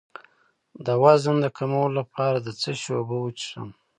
د وزن د کمولو لپاره د څه شي اوبه وڅښم؟